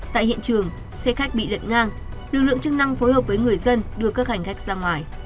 tại hiện trường xe khách bị lật ngang lực lượng chức năng phối hợp với người dân đưa các hành khách ra ngoài